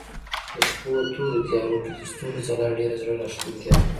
د شپو تورو تيارو کې د ستورو ځلا ډېره زړه راښکونکې ده.